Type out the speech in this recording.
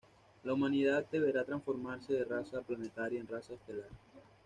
La humanidad deberá transformarse de raza planetaria en raza estelar.